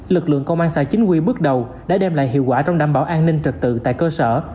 lực lượng công an xã chính quy bước đầu đã đem lại hiệu quả trong đảm bảo an ninh trật tự tại cơ sở